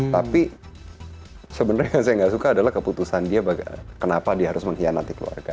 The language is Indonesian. tapi sebenarnya yang saya nggak suka adalah keputusan dia kenapa dia harus mengkhianati keluarga